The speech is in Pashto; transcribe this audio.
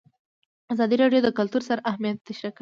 ازادي راډیو د کلتور ستر اهميت تشریح کړی.